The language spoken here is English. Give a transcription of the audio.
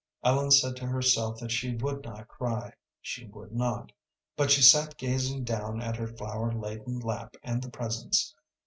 Ellen said to herself that she would not cry she would not, but she sat gazing down at her flower laden lap and the presents.